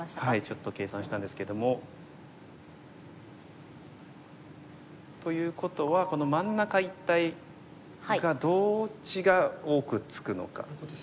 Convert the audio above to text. ちょっと計算したんですけども。ということはこの真ん中一帯がどっちが多くつくのか。